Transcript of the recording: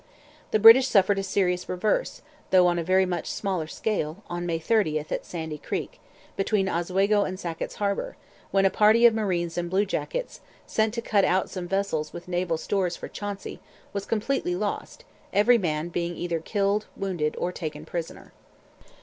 The British suffered a serious reverse, though on a very much smaller scale, on May 30, at Sandy Creek, between Oswego and Sackett's Harbour, when a party of marines and bluejackets, sent to cut out some vessels with naval stores for Chauncey, was completely lost, every man being either killed, wounded, or taken prisoner.